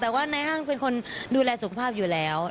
แต่ไอฮ่างเป็นคนดูแลสุขภาพอยู่แล้ว